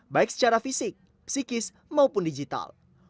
baik secara fisik psikis maupun digital